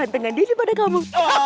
gantengan diri pada kamu